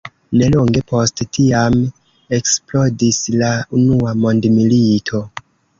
Nelonge post tiam eksplodis la unua mondmilito.